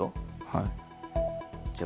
はい。